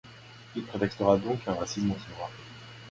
Il prétextera donc un racisme anti-noirs.